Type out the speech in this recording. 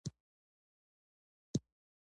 پیاز ژر خوسا کېږي